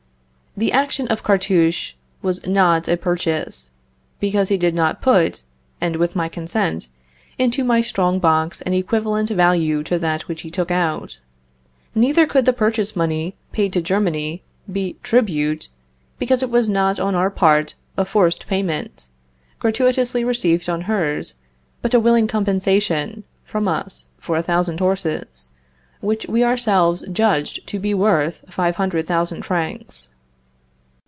The action of Cartouche was not a purchase, because he did not put, and with my consent, into my strong box an equivalent value to that which he took out. Neither could the purchase money paid to Germany be tribute, because it was not on our part a forced payment, gratuitously received on hers, but a willing compensation from us for a thousand horses, which we ourselves judged to be worth 500,000 francs.